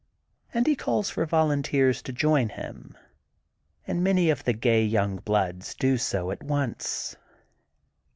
And he calls for volunteers to join him, and many of the gay young bloods do so at once.